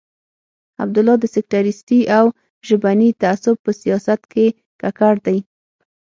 عبدالله د سکتریستي او ژبني تعصب په سیاست کې ککړ دی.